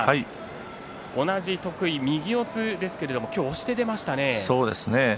同じ得意右四つですけれども今日は押して出ましたね。